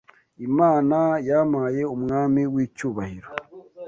Imana yampaye umwami w'icyubahiro